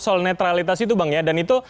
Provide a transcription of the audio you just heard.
soal netralitas itu bang ya dan itu